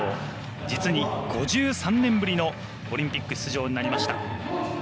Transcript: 実に５３年ぶりのオリンピック出場になりました。